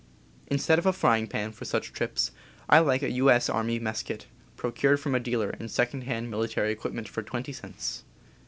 Instead of a frying pan, for such trips, I like a U. S. Army mess kit, procured from a dealer in second hand military equip ments for twenty cents.